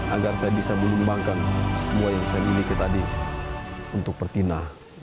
agar saya bisa mengembangkan semua yang saya miliki tadi untuk pertina